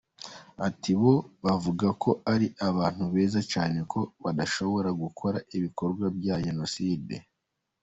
Ati “Bo bavuga ko ari abantu beza cyane ko badashobora gukora ibikorwa bya Jenoside.